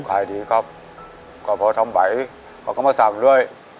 ขายดีครับก็พอทำไหวเขาก็มาสั่งด้วย